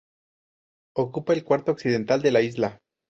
Ocupa el cuarto occidental de la isla.